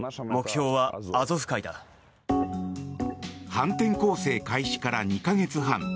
反転攻勢開始から２か月半。